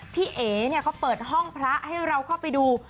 พี่เอ๋เขาเปิดห้องพระให้เราเข้าไปดู